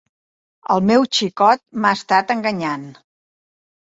El meu xicot m'ha estat enganyant.